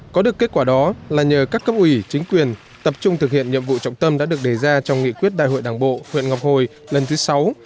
có được kết quả đó là nhờ các cấp ủy chính quyền tập trung thực hiện nhiệm vụ trọng tâm đã được đề ra trong nghị quyết đại hội đảng bộ huyện ngọc hồi lần thứ sáu